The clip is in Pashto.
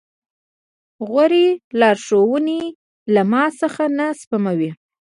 غورې لارښوونې له ما څخه نه سپموي.